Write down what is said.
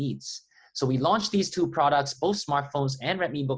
jadi kami meluncurkan dua produk ini smartphone dan redmi book lima belas